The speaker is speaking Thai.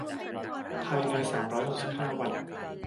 ภายในสามร้อยหกสิบห้าวัน